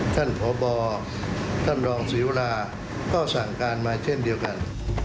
ท่านพบท่านรองศรีวราก็สั่งการมาเช่นเดียวกัน